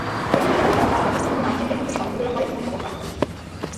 প্রধান বিচারপতি তালিকাভুক্ত নতুন আইনজীবীদের মধ্যে সনদ বিতরণ করেন এবং শপথ পাঠ করান।